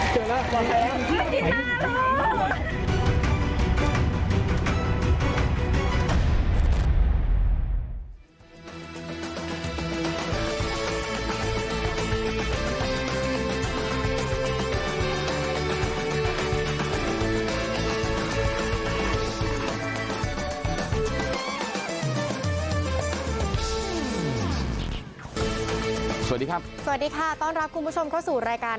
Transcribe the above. สวัสดีครับสวัสดีค่ะต้อนรับคุณผู้ชมเข้าสู่รายการ